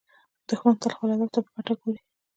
دښمن تل خپل هدف ته په پټه ګوري